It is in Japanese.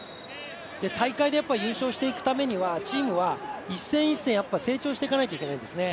大会で、やっぱり優勝していくためにはチームは一戦一戦、成長していかなければいけないんですね。